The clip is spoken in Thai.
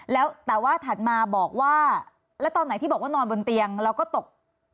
แล้วแต่ว่าถัดมาบอกว่าแล้วตอนไหนที่บอกว่านอนบนเตียงแล้วก็ตก